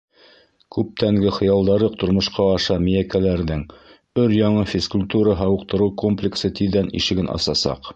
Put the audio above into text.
Күптәнге хыялдары тормошҡа аша миәкәләрҙең — өр-яңы физкультура-һауыҡтырыу комплексы тиҙҙән ишеген асасаҡ.